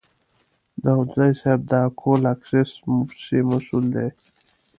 داودزی صیب د اکول اکسیس موسسې مسوول دی.